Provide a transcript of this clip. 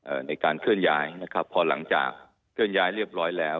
ในการเคลื่อนย้ายนะครับพอหลังจากเคลื่อนย้ายเรียบร้อยแล้ว